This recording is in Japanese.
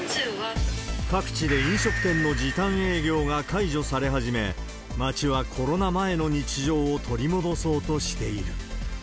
各地で飲食店の時短営業が解除され始め、街はコロナ前の日常を取り戻そうとしている。